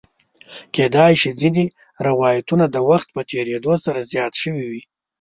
کېدای شي ځینې روایتونه د وخت په تېرېدو سره زیات شوي وي.